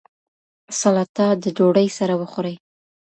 سلاته د ډوډۍ سره وخورئ.